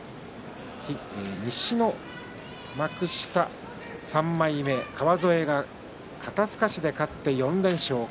西の幕下３枚目川副肩すかしで勝って４連勝です。